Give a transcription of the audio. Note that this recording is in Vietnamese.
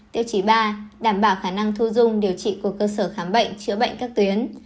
tiêu chí ba đảm bảo khả năng thu dung điều trị của cơ sở khám bệnh chữa bệnh các tuyến